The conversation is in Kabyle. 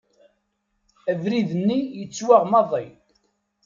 Abrid-nni γettwaɣ maḍi.